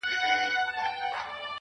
دواړه لاسه يې کړل لپه.